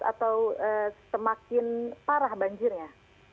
atau semakin parah banjirnya